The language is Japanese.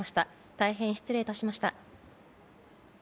大変失礼しました。